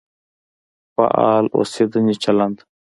د فعال اوسېدنې چلند.